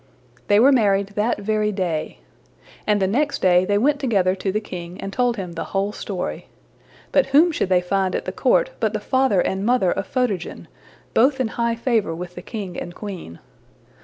'' They were married that very day. And the next day they went together to the king and told him the whole story. But whom should they find at the court but the father and mother of Photogen, both in high favor with the king and queen.